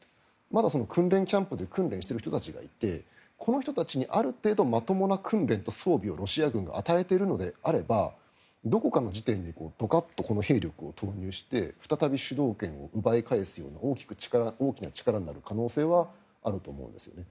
まだ訓練キャンプで訓練している人たちがいてこの人たちにある程度まともな訓練と装備をロシア軍が与えているのであればどこかの時点でどかっとこの兵力を取り戻して再び主導権を奪い返す大きな力になる可能性はあると思うんですよね。